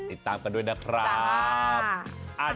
ติดตามกันด้วยนะครับ